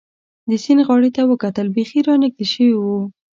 د سیند غاړې ته وکتل، بېخي را نږدې شوي و.